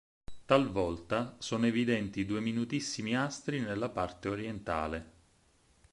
Talvolta sono evidenti due minutissimi astri nella parte orientale.